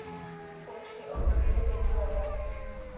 Funkční období je pětileté.